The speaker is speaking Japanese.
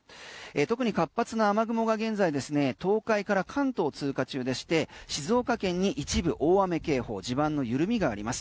特に活発な雨雲が現在ですね東海から関東を通過中でして静岡県に一部大雨警報地盤の緩みがあります。